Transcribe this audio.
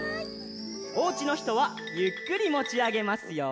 おうちのひとはゆっくりもちあげますよ。